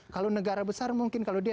kalau negara besar mungkin kalau dia